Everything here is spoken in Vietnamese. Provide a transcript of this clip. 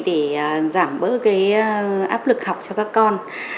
để giảm bớt cái áp lực học cho các con